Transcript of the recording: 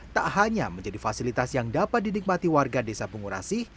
tak hanya menjadi fasilitas yang dapat dinikmati warga desa bungurasi